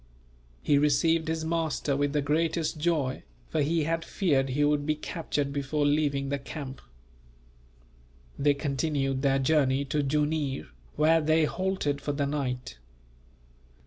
He received his master with the greatest joy, for he had feared he would be captured before leaving the camp. They continued their journey to Jooneer, where they halted for the night.